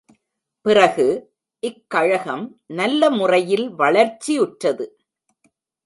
பிறகு இக் கழகம் நல்ல முறையில் வளர்ச்சியுற்றது.